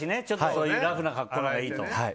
そういうラフな格好がいいと。